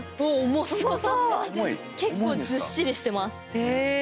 結構ずっしりしてます。え。